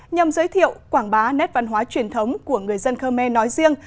nhằm giới thiệu quảng bá nét văn hóa truyền thống của người dân khmer nói riêng